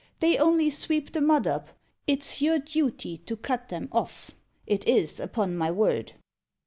They only sweep the mud up. It's your duty To cut them off it is, upon my word!"